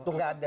itu nggak ada